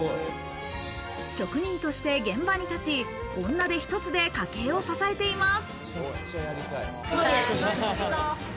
職人として現場に立ち、女手一つで家計を支えています。